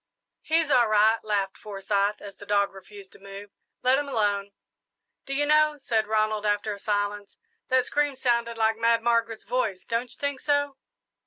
"He's all right," laughed Forsyth, as the dog refused to move; "let him alone." "Do you know," said Ronald, after a silence, "that scream sounded like Mad Margaret's voice. Don't you think so?"